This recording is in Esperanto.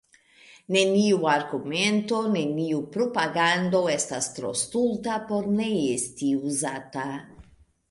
Neniu argumento, neniu propagando estas tro stulta por ne esti uzata.